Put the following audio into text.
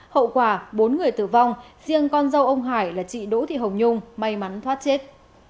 hậu quả bốn người tử vong riêng con dâu ông hải là chị đỗ thị hồng nhung may mắn thoát chết